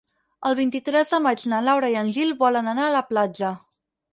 El vint-i-tres de maig na Laura i en Gil volen anar a la platja.